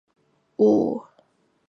多变尻参为尻参科尻参属的动物。